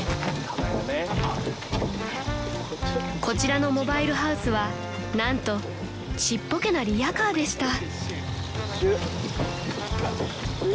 ［こちらのモバイルハウスは何とちっぽけなリヤカーでした］